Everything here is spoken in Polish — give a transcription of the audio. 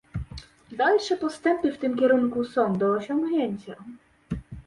Dalsze postępy w tym kierunku są do osiągnięcia